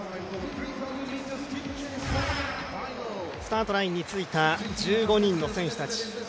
スタートラインについた１５人の選手たち。